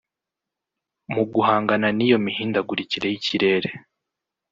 mu guhangana n’iyo mihindagurikire y’ikirere